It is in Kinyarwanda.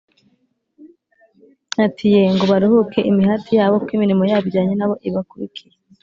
ati “Yee, ngo baruhuke imihati yabo, kuko imirimo yabo ijyanye na bo ibakurikiye.”